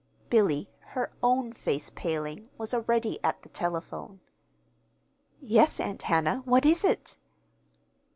Billy, her own face paling, was already at the telephone. "Yes, Aunt Hannah. What is it?"